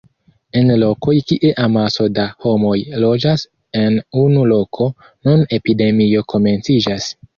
En lokoj kie amaso da homoj loĝas en unu loko, nun epidemio komenciĝas.